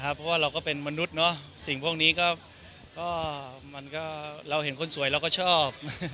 เพราะว่าเราก็เป็นมนุษย์สิ่งพวกนี้ก็เราเห็นคนสวยเราก็ชอบ